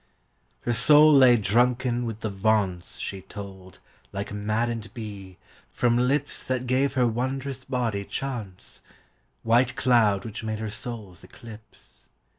Her soul lay drunken with the vaunts She tolled, like maddened bee, from lips That gave her wondrous body chaunts White cloud which made her soul's eclipse.